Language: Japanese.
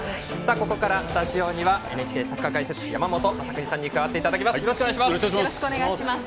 ここからスタジオにはＮＨＫサッカー解説山本昌邦さんに加わっていただきます。